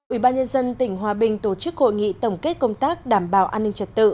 ủy ban nhân dân tỉnh hòa bình tổ chức hội nghị tổng kết công tác đảm bảo an ninh trật tự